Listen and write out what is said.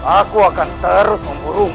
aku akan terus memburumu